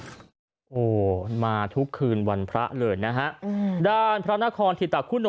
ตบเอามาทุกคืนวันพระเลยนะฮะด่านพระนครถิตรพุทธ